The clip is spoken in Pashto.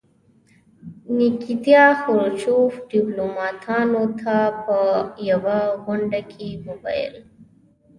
نیکیتیا خروچوف ډیپلوماتانو ته په یوه غونډه کې وویل.